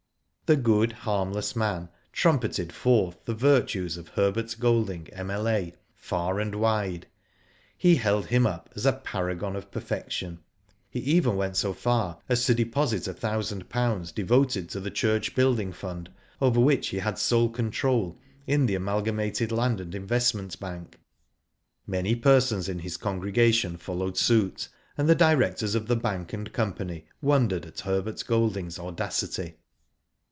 The good, harmless man trumpeted forth the virtues of Herbert Golding. M.L.A., far and wide. He held him up as a paragon of perfection. He even went so far as to deposit a thousand pounds devoted to the church building fund, over which he had sole control, in the Amalgamated Land and Investment Bank. Many persons in his congregation followed suit, and the directors of the bank and company wondered at Herbert Golding's audacity.